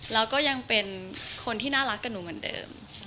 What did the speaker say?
แล้วก็ยังเป็นคนที่น่ารักกับหนูเหมือนเดิม